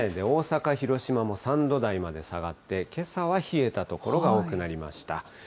大阪、広島も３度台まで下がって、けさは冷えた所が多くなりました。